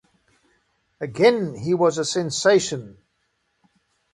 Again, he was a sensation.